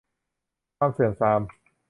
ความเสื่อมทราม